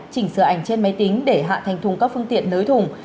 chỉnh sửa ảnh trên máy tính để hạ thành thùng các phương tiện nới thùng